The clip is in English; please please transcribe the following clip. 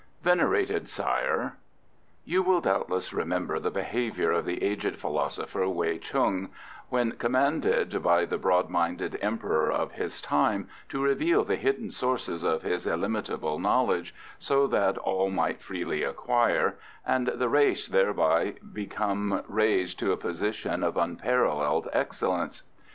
Venerated Sire, You will doubtless remember the behaviour of the aged philosopher Wei Chung, when commanded by the broad minded emperor of his time to reveal the hidden sources of his illimitable knowledge, so that all might freely acquire, and the race thereby become raised to a position of unparalleled excellence.